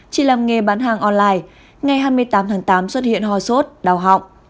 chỉ làm nghề bán hàng online ngày hai mươi tám tháng tám xuất hiện ho sốt đau họng